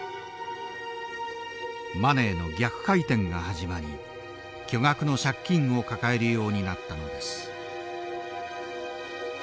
マネーの逆回転が始まり巨額の借金を抱えるようになったのです。